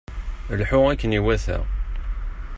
Lḥu akken iwata!